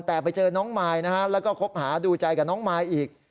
แต่ไปเจอน้องมายนะฮะแล้วก็คบหาดูใจกับน้องมายอีก